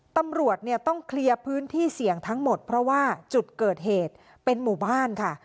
ตำรวจเนี่ยต้องเคลียร์พื้นที่เสี่ยงทั้งหมดเพราะว่าจุดเกิดเหตุเป็นหมู่บ้านค่ะ